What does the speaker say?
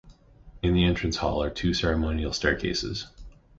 In the Entrance Hall are two ceremonial staircases.